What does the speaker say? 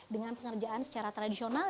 dengan pengerjaan secara tradisional